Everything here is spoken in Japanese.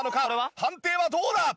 判定はどうだ？